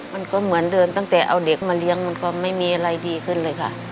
มันก็เหมือนเดิมตั้งแต่เอาเด็กมาเลี้ยงมันก็ไม่มีอะไรดีขึ้นเลยค่ะ